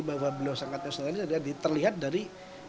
bahwa beliau sangat nasionalis adalah diterlihat dari